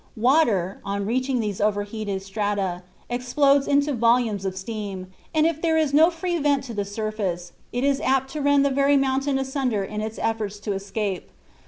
Water, on reaching these overheated strata, explodes into volumes of steam, and if there is no free vent to the surface, it is apt to rend the very mountain asunder in its efforts to escape.